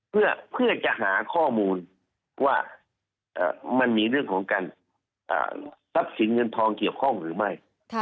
เพื่อจะหาข้อมูลว่ามันมีเรื่องของการทรัพย์สินเงินทองเกี่ยวข้องหรือไม่